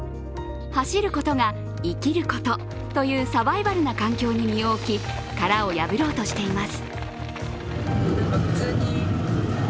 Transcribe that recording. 走ることが生きることというサバイバルな環境に身を置き殻を破ろうとしています。